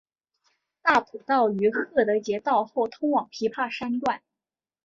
大埔道于郝德杰道后通往琵琶山段。